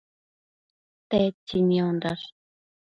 Tedtsi niondash?